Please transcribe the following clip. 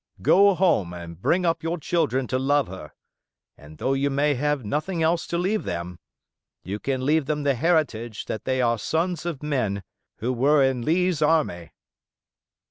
Go home and bring up your children to love her, and though you may have nothing else to leave them, you can leave them the heritage that they are sons of men who were in Lee's army."